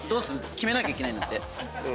決めなきゃいけないんだって。